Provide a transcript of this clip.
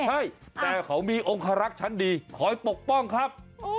ใช่แต่มีองค์ครักษ์ฉันดีขอปกป้องครับ